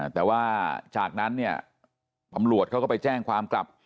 แต่ว่าจากนั้นเนี่ยตำรวจเขาก็ไปแจ้งความกลับ